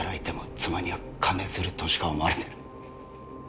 妻には金ヅルとしか思われてない